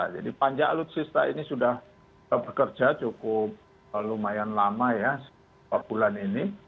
jadi panja alutsista ini sudah bekerja cukup lumayan lama ya sebulan ini